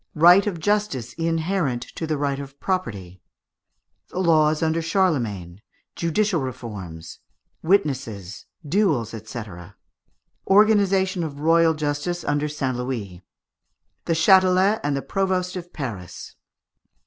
Right of Justice inherent to the Bight of Property. The Laws under Charlemagne. Judicial Forms. Witnesses. Duels, &c. Organization of Royal Justice under St. Louis. The Châtelet and the Provost of Paris.